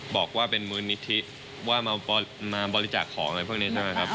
บอกว่าเป็นมูลนิธิว่ามาบริจาคของอะไรพวกนี้ใช่ไหมครับ